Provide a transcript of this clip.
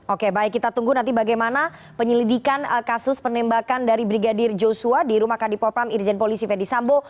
oke baik kita tunggu nanti bagaimana penyelidikan kasus penembakan dari brigadir joshua di rumah kadipopam irjen polisi fedy sambo